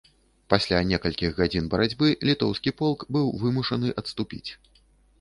Пасля некалькіх гадзін барацьбы літоўскі полк быў вымушаны адступіць.